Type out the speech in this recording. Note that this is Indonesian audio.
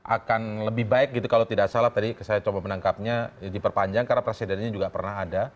akan lebih baik gitu kalau tidak salah tadi saya coba menangkapnya diperpanjang karena presidennya juga pernah ada